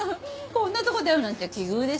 こんなとこで会うなんて奇遇ですね。